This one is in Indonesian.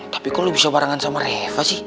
tapi kok lu bisa barengan sama reva sih